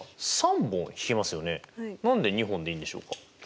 何で２本でいいんでしょうか？